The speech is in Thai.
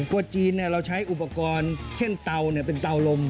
ครัวจีนเนี่ยเราใช้อุปกรณ์เช่นเตาเนี่ยเป็นเตาลม